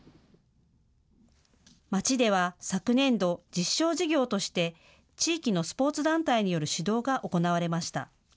町では昨年度、実証事業として地域のスポーツ団体による指導が行われました。